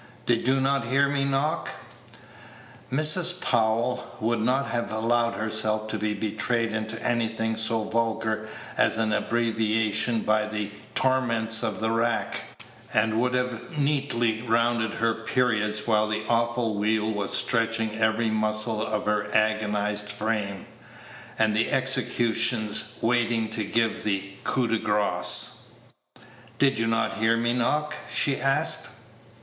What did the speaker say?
Did you not hear me knock?" Mrs. Powell would not have allowed herself to be betrayed into anything so vulgar as an abbreviation by the torments of the rack, and would have neatly rounded her periods while the awful wheel was stretching every muscle of her agonized frame, and the executions waiting to give the coup de grace. "Did you not hear me knock?" she asked.